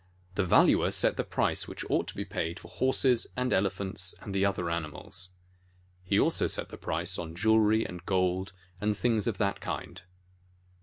The Valuer set the price which ought to be paid for horses and elephants and the other animals. He also set the price on jewelry and gold, and things of that kind.